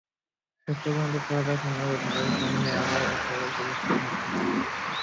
শেষ পর্যন্ত কোয়ার্টার ফাইনালে ওঠায় পাকিস্তানকে নিয়ে আবার আশায় বুক বাঁধে সমর্থকেরা।